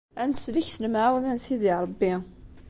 Ad neslek s lemɛawna n Sidi Ṛebbi!